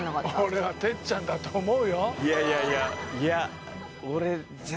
俺は哲ちゃんだと思うよ。